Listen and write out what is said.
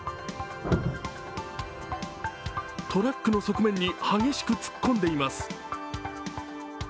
トラックの側面に激しく突っ込んでいます。